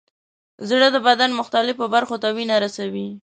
زړه د بدن مختلفو برخو ته وینه رسوي.